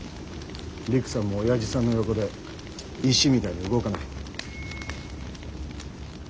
りくさんもおやじさんの横で石みたいに動かない。